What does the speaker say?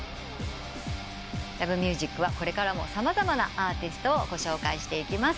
『Ｌｏｖｅｍｕｓｉｃ』はこれからも様々なアーティストをご紹介していきます。